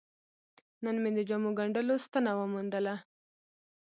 نن مې د جامو ګنډلو ستنه وموندله.